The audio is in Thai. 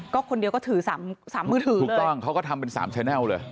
คุณเดี๋ยวก็ถือ๓มือถือถูกกล้องเขาก็ทำเป็น๓แชนแนลเลย